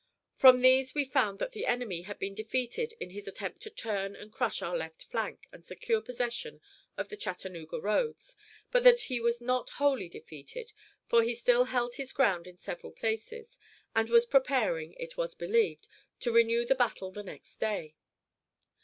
From these we found that the enemy had been defeated in his attempt to turn and crush our left flank and secure possession of the Chattanooga roads, but that he was not wholly defeated, for he still held his ground in several places, and was preparing, it was believed, to renew the battle the next day.